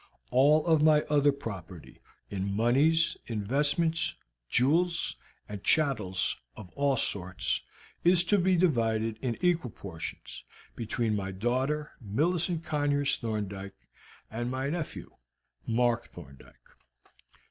All my other property in moneys, investments, jewels, and chattels of all sorts, is to be divided in equal portions between my daughter, Millicent Conyers Thorndyke, and my nephew, Mark Thorndyke.